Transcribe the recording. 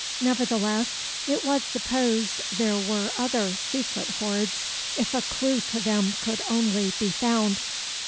Nevertheless, it was supposed there were other secret hoards, if a clue to them could only be found.